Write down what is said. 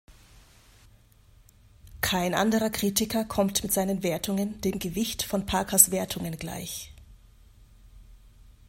Kein anderer Kritiker kommt mit seinen Wertungen dem Gewicht von Parkers Wertungen gleich.